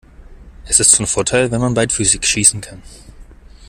Es ist von Vorteil wenn man beidfüßig schießen kann.